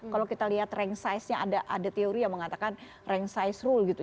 kalau kita lihat rang size nya ada teori yang mengatakan rang size rule gitu